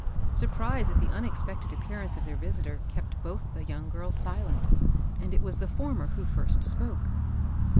Surprise at the unexpected appearance of th^ visitor kept both die young girls silent, and it was the former who first spoke.